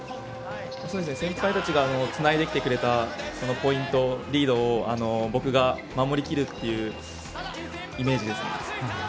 先輩たちがつないできてくれたポイントリードを僕が守り切るっていうイメージでしたね。